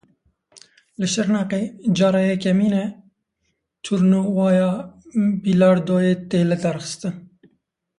Li Şirnexê cara yekemîn e turnûwaya bîlardoyê tê lidarxistin.